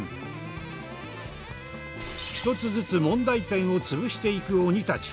１つずつ問題点を潰していく鬼たち。